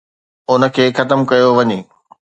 ان کي ختم ڪيو وڃي.